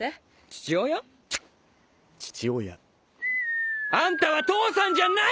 ヒュ！あんたは父さんじゃない！